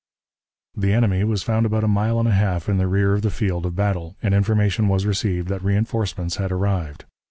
The enemy was found about a mile and a half in the rear of the field of battle, and information was received that reënforcements had arrived.